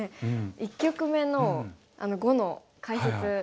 １局目の碁の解説。